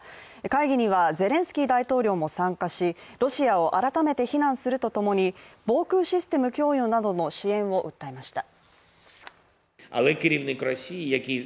会議にはゼレンスキー大統領も参加し、ロシアを改めて非難するとともに防空システム供与などの支援を訴えました。